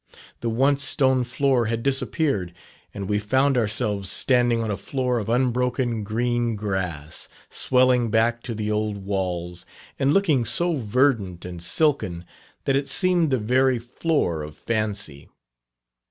The once stone floor had disappeared, and we found ourselves standing on a floor of unbroken green grass, swelling back to the old walls, and looking so verdant and silken that it seemed the very floor of fancy.